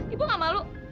ibu gak malu